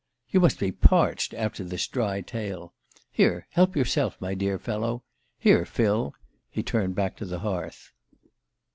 "You must be parched after this dry tale. Here, help yourself, my dear fellow. Here, Phil " He turned back to the hearth.